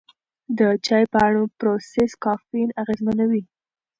د چای پاڼو پروسس کافین اغېزمنوي.